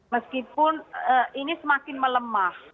meskipun ini semakin melemah